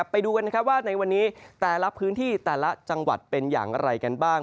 ไปดูกันว่าในวันนี้แต่ละพื้นที่แต่ละจังหวัดเป็นอย่างไรกันบ้าง